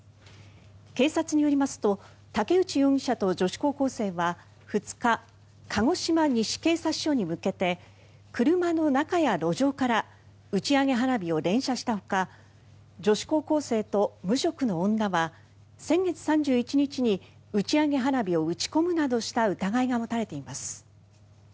警察によりますと竹内容疑者と女子高校生は２日鹿児島西警察署に向けて車の中や路上から打ち上げ花火を連射したほか女子高校生と無職の女は先月３１日に打ち上げ花火を打ち込むなどした疑いが持たれています。